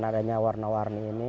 adanya warna warni ini